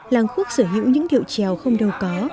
làng khuốc sở hữu những điệu trèo không đâu có